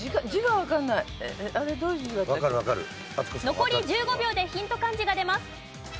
残り１５秒でヒント漢字が出ます。